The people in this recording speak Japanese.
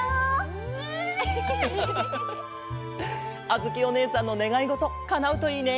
あづきおねえさんのねがいごとかなうといいね！